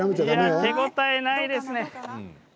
手応えないですね。